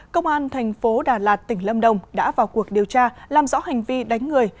công an thành phố đà lạt tỉnh lâm đồng đã vào cuộc điều tra làm rõ hành vi đánh người